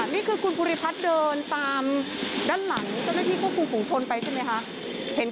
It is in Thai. นี่คือคุณบุริพัฒน์เดินตามด้านหลังที่พวกคุมชนไปใช่ไหมคะ